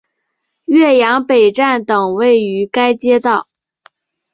岳阳北站等位于该街道。